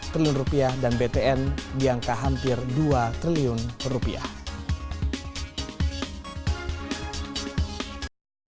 triliun rupiah dan btn di angka hampir dua triliun rupiah